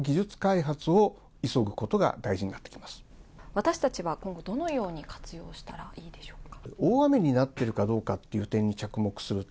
私たちは今後どのように活用したらいいでしょうか？